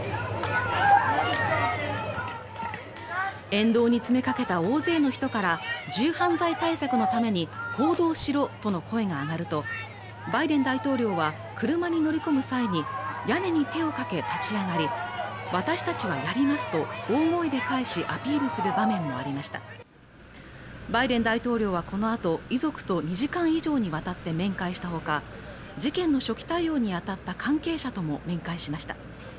沿道に詰めかけた大勢の人から銃犯罪対策のために行動しろとの声が上がるとバイデン大統領は車に乗り込む際に屋根に手をかけ立ち上がり私たちはやりますと大声で返しアピールする場面もありましたバイデン大統領はこのあと遺族と２時間以上にわたって面会したほか事件の初期対応に当たった関係者とも面会しました